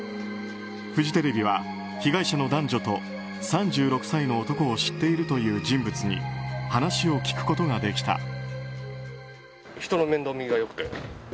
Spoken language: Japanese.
フジテレビは被害者の男女と３６歳の男を知っているという人物に話を聞くことができた。